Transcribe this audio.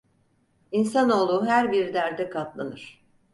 İnsanoğlu her bir derde katlanır.